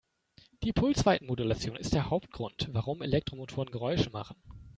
Die Pulsweitenmodulation ist der Hauptgrund, warum Elektromotoren Geräusche machen.